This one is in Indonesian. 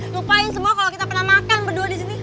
lupain semua kalau kita pernah makan berdua di sini